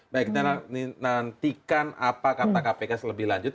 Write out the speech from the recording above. baik kita nantikan apa kata kpk selebih lanjut